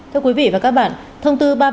thưa quý vị và các bạn thông tư ba mươi ba